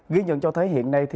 ghi nhận cho thấy hiện nay